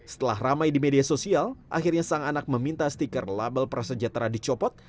setelah ramai di media sosial akhirnya sang anak meminta stiker label prasejahtera dicopot